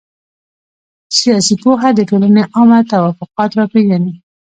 سياسي پوهه د ټولني عامه توافقات را پېژني.